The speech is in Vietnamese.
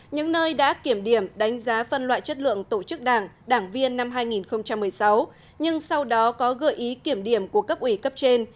những nơi đã kiểm điểm đánh giá phân loại chất lượng tổ chức đảng đảng viên năm hai nghìn một mươi sáu nhưng sau đó có gợi ý kiểm điểm của cấp ủy cấp trên